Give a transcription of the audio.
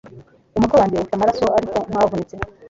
Umutwe wanjye ufite amaraso ariko ntavunitse